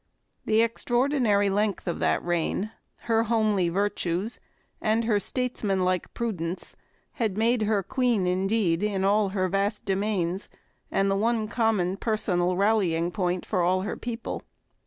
The extraordinary length of that reign, her homely virtues, and her statesmanlike prudence had made her Queen indeed in all her vast domains and the one common, personal rallying point for all her people.